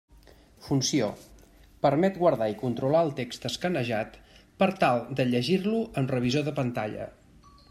Funció: permet guardar i controlar el text escanejat per tal de llegir-lo amb revisor de pantalla.